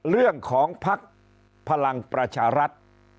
เรื่องของพรรณประชาลัด